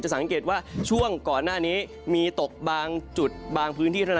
สังเกตว่าช่วงก่อนหน้านี้มีตกบางจุดบางพื้นที่เท่านั้น